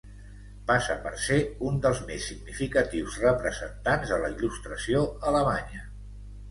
Passa per ser un dels més significatius representants de la Il·lustració alemanya.